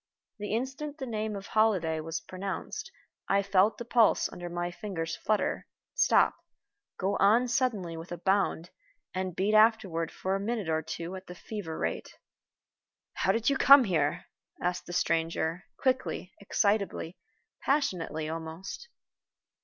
The instant the name of Holliday was pronounced I felt the pulse under my fingers flutter, stop, go on suddenly with a bound, and beat afterward for a minute or two at the fever rate. "How did you come here?" asked the stranger, quickly, excitably, passionately almost.